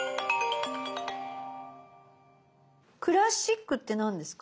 「クラシック」って何ですか？